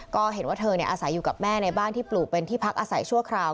ก็เห็นว่าเธออาศัยอยู่กับแม่ในบ้านที่ปลูกเป็นที่พักอาศัยชั่วคราว